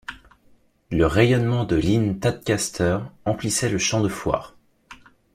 Le rayonnement de l’inn Tadcaster emplissait le champ de foire.